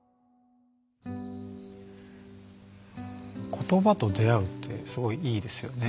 言葉と出会うってすごいいいですよね。